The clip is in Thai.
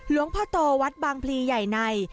หลวงพ่อโตวัดบางพลีใหญ่ใน